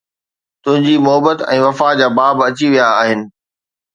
تنهنجي محبت ۽ وفا جا باب اچي ويا آهن